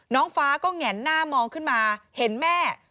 น้องฟ้าก็แห่นหน้ามองขึ้นมาเห็นแม่